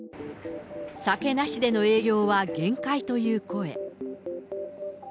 酒なしでの営業は限界という声。